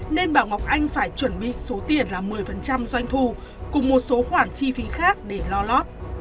nên bảo ngọc anh phải chuẩn bị số tiền là một mươi doanh thu cùng một số khoản chi phí khác để lo lót